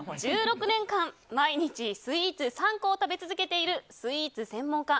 １６年間、毎日スイーツ３個を食べ続けているスーツ専門家